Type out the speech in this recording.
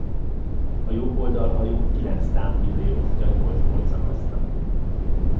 A jobb oldalhajót kilenc támpillér osztja nyolc bolt-szakaszra.